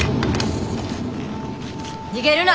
逃げるな！